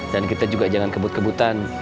kita juga jangan kebut kebutan